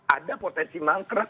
ada potensi mangkrak